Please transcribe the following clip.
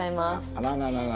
あらららら。